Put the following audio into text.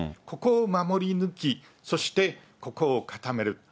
ここを守り抜き、そしてここを固める。